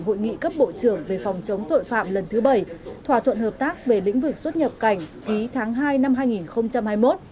hội nghị cấp bộ trưởng về phòng chống tội phạm lần thứ bảy thỏa thuận hợp tác về lĩnh vực xuất nhập cảnh ký tháng hai năm hai nghìn hai mươi một